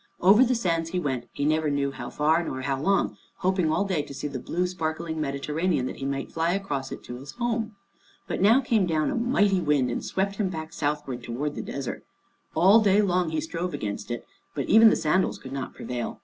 Over the sands he went, he never knew how far nor how long, hoping all day to see the blue sparkling Mediterranean, that he might fly across it to his home. But now came down a mighty wind, and swept him back southward toward the desert. All day long he strove against it, but even the sandals could not prevail.